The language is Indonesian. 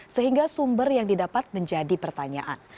sehingga sumber yang didapat menjadi pertanyaan